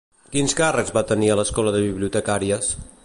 Quins càrrecs va tenir a l'Escola de Bibliotecàries?